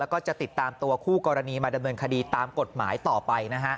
แล้วก็จะติดตามตัวคู่กรณีมาดำเนินคดีตามกฎหมายต่อไปนะฮะ